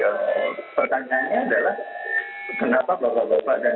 kenapa bapak bapak dan ibu ibu pendiri itu pengaruhnya tidak sebesar pak amin